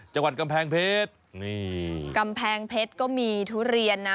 จังหวัดกำแพงเพชรนี่กำแพงเพชรก็มีทุเรียนนะ